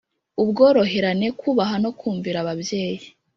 ubworoherane, kubaha no kumvira ababyeyi